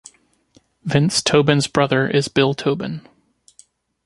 Vince Tobin's brother is Bill Tobin.